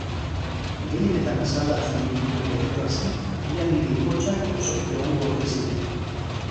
Gehienetan asaldatzen ninduen beldurra zen ia nire ipotxak osorik egongo ote ziren.